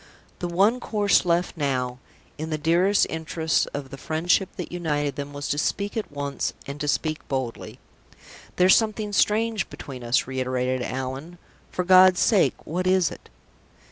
The one course left now, in the dearest interests of the friendship that united them, was to speak at once, and to speak boldly. "There's something strange between us," reiterated Allan. "For God's sake, what is it?"